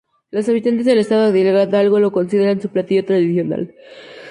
Los habitantes del estado de Hidalgo lo consideran su platillo tradicional.